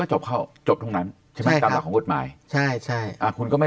ก็จบเข้าจบทั้งนั้นใช่ไหมตามหลักของกฎหมายใช่คุณก็ไม่